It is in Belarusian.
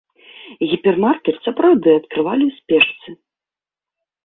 Гіпермаркет сапраўды адкрывалі ў спешцы.